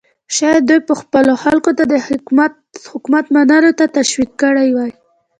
شاید دوی به خپلو خلکو ته د حکومت منلو ته تشویق کړي وای.